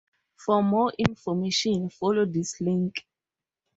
For more information, follow this link.